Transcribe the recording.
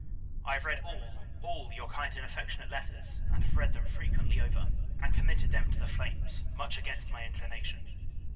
I have read all, all, your kind and affectionate letters: and have read them frequently over; and committed them to the flames, much against my inclination.